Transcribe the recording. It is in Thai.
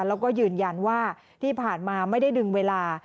แล้วก็ยืนยันว่าที่ผ่านมาไม่ได้ดึงเวลา